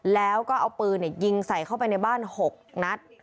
แล้วก็เอาปืนยิงใส่เข้าไปในบ้าน๖นัด